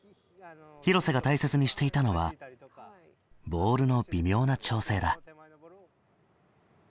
廣瀬が大切にしていたのはボールの微妙な調整だ。